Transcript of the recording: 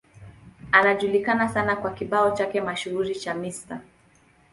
Anajulikana sana kwa kibao chake mashuhuri cha Mr.